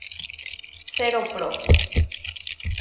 Zero pro.